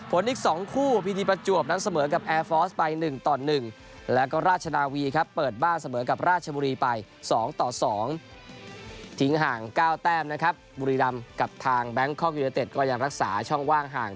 ผลอีกสองคู่พีทีประจวบนั้นเสมอกับแอร์ฟอร์สไปหนึ่งต่อหนึ่ง